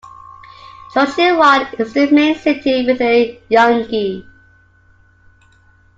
Jochiwon is the main city within Yeongi.